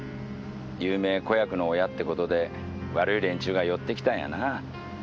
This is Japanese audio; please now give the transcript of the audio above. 有名子役の親っていうことで悪い連中が寄ってきたんやな。